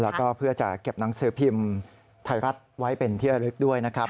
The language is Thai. แล้วก็เพื่อจะเก็บหนังสือพิมพ์ไทยรัฐไว้เป็นที่ระลึกด้วยนะครับ